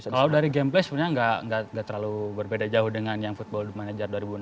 kalau dari game play sebenarnya nggak terlalu berbeda jauh dengan yang football manager dua ribu enam belas